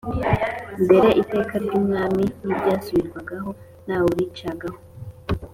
mbere iteka ry'umwami ntiryasubirwagaho, ntawaricagaho